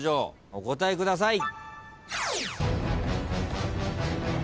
お答えください。